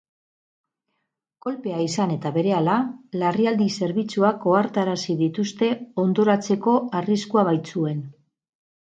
Kolpea izan eta berehala, larrialdi zerbitzuak ohartarazi dituzte, hondoratzeko arriskua baitzuen.